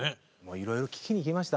いろいろ聞きに行きました。